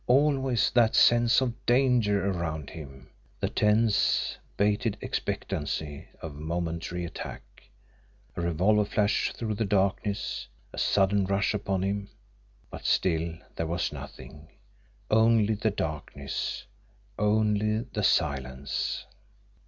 Always that sense of danger around him the tense, bated expectancy of momentary attack a revolver flash through the darkness a sudden rush upon him. But still there was nothing only the darkness, only the silence.